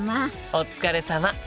お疲れさま！